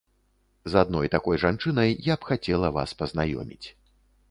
З адной такой жанчынай я б хацела вас пазнаёміць.